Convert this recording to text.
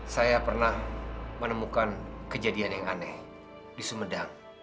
saya pernah menemukan kejadian yang aneh di sumedang